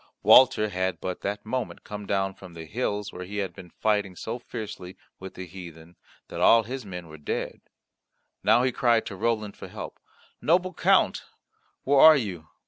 Walter had but that moment come down from the hills where he had been fighting so fiercely with the heathen that all his men were dead; now he cried to Roland for help. "Noble Count, where are you?